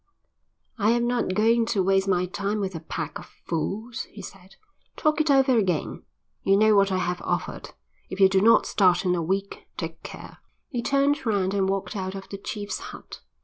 "I am not going to waste my time with a pack of fools," he said. "Talk it over again. You know what I have offered. If you do not start in a week, take care." He turned round and walked out of the chief's hut.